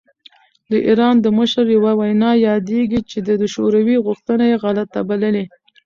د ایران د مشر یوه وینا یادېږي چې د شوروي غوښتنه یې غلطه بللې.